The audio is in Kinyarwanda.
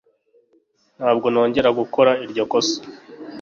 Ntabwo nongeye gukora iryo kosa.